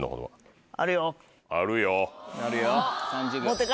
「あるよ！」。